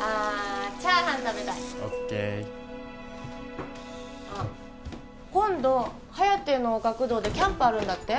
ああチャーハン食べたいＯＫあっ今度颯の学童でキャンプあるんだって？